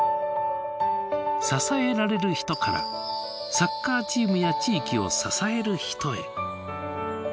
「支えられる人」からサッカーチームや地域を「支える人」へ。